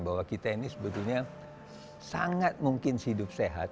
bahwa kita ini sebetulnya sangat mungkin hidup sehat